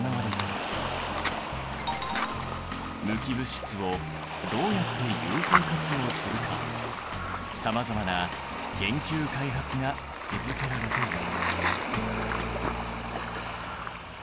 無機物質をどうやって有効活用するかさまざまな研究・開発が続けられている。